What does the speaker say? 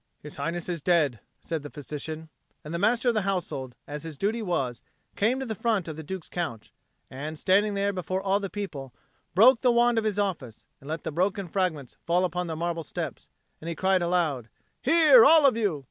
"His Highness is dead," said the physician. And the Master of the Household, as his duty was, came to the front of the Duke's couch, and, standing there before all the people, broke the wand of his office, and let the broken fragments fall upon the marble steps; and he cried aloud, "Hear all of you!